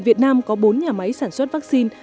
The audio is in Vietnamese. việt nam có bốn nhà máy sản xuất vắc xin